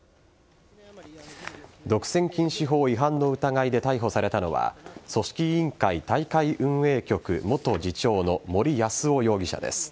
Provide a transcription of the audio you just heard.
独占禁止法違反の疑いで逮捕されたのは組織委員会大会運営局元次長の森泰夫容疑者です。